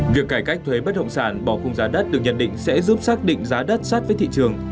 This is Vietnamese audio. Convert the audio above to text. việc cải cách thuế bất động sản bỏ khung giá đất được nhận định sẽ giúp xác định giá đất sát với thị trường